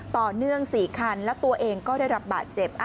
ต่อเนื่อง๔คันแล้วตัวเองก็ได้รับบาดเจ็บ